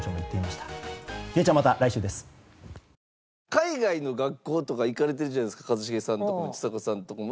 海外の学校とか行かれてるじゃないですか一茂さんのとこもちさ子さんのとこも。